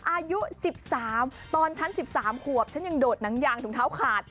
อายุ๑๓ตอนฉัน๑๓ขวบฉันยังโดดหนังยางถุงเท้าขาด